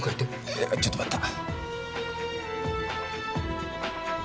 いやちょっと待った。